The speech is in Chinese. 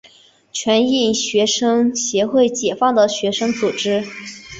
全印学生协会解放的学生组织。